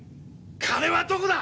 金はどこだ！